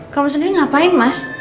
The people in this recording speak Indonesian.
kamu sendiri ngapain mas